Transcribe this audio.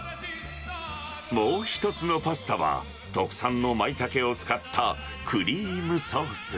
もう１つのパスタは、特産のマイタケを使ったクリームソース。